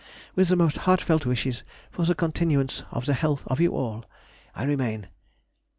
With the most heartfelt wishes for the continuance of the health of you all, I remain, &c.